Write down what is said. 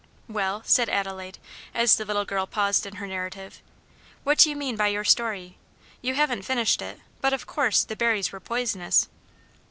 "Well," asked Adelaide, as the little girl paused in her narrative, "what do you mean by your story? You haven't finished it, but, of course, the berries were poisonous."